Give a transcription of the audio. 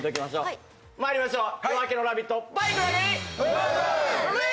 まいりましょう。